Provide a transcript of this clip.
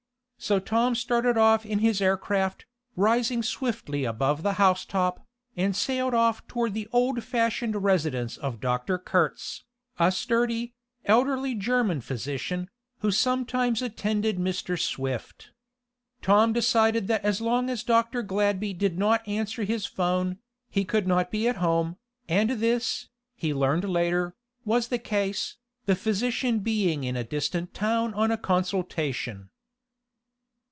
So Tom started off in his air craft, rising swiftly above the housetop, and sailed off toward the old fashioned residence of Dr. Kurtz, a sturdy, elderly German physician, who sometimes attended Mr. Swift. Tom decided that as long as Dr. Gladby did not answer his 'phone, he could not be at home, and this, he learned later, was the case, the physician being in a distant town on a consultation.